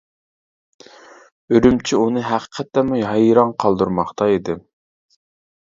ئۈرۈمچى ئۇنى ھەقىقەتەنمۇ ھەيران قالدۇرماقتا ئىدى.